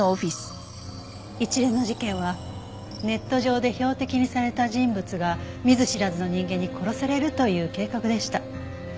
一連の事件はネット上で標的にされた人物が見ず知らずの人間に殺されるという計画でした。